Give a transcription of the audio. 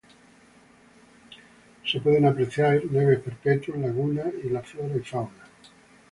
Se pueden apreciar nieves perpetuas, lagunas; y la flora y fauna.